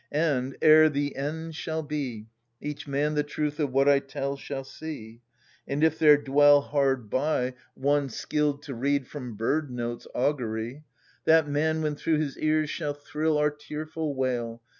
^J :s»^ And, ere the end shall be, E^h man the truth of what I tell shall see. And if there dwell hard by^ A^^ THE SUPPLIANT MAIDENS. One skilled to read from bird notes augury, i^ That man, when through his ears shall thrill our tearful wail.